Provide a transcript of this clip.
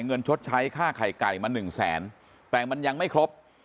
ชดใช้ค่าไข่ไก่มาหนึ่งแสนแต่มันยังไม่ครบ